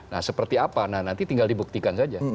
nah seperti apa nah nanti tinggal dibuktikan saja